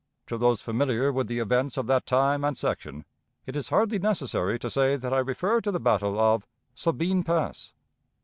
To those familiar with the events of that time and section, it is hardly necessary to say that I refer to the battle of Sabine Pass.